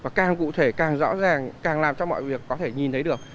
và càng cụ thể càng rõ ràng càng làm cho mọi việc có thể nhìn thấy được